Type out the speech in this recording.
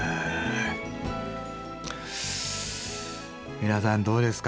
皆さんどうですか？